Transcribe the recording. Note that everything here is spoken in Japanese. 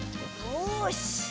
よし！